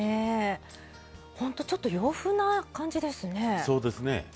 本当ちょっと洋風な感じですね。